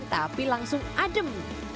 tapi langsung adem